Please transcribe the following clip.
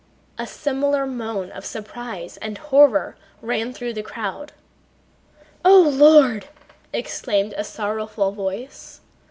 A similar moan of surprise and horror ran through the crowd. "O Lord!" exclaimed a sorrowful voice.